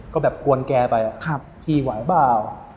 ก็แบบกวนแกไปพี่ไหวเปล่า